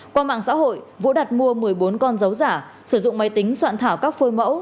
qua mạng xã hội vũ đặt mua một mươi bốn con dấu giả sử dụng máy tính soạn thảo các phôi mẫu